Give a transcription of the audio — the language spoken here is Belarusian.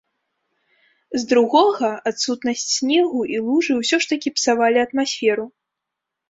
З другога, адсутнасць снегу і лужы ўсё ж такі псавалі атмасферу.